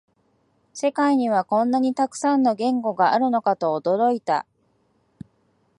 世界にはこんなにたくさんの言語があるのかと驚いた